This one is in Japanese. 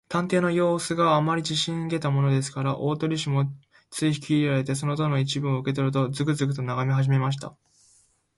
探偵のようすが、あまり自信ありげだものですから、大鳥氏もつい引きいれられて、その塔の一部分を受けとると、つくづくとながめはじめました。